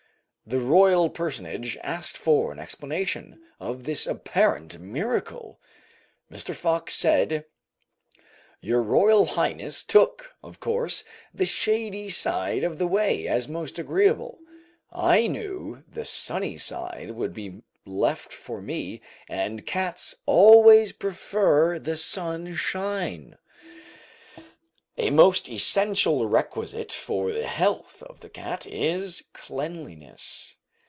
The Royal personage asked for an explanation of this apparent miracle. Mr. Fox said: "Your Royal Highness took, of course, the shady side of the way as most agreeable; I knew the sunny side would be left for me, and cats always prefer the sunshine." A most essential requisite for the health of the cat is cleanliness.